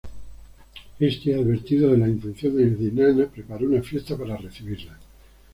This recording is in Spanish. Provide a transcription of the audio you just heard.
Éste, advertido de las intenciones de Inanna, preparó una fiesta para recibirla.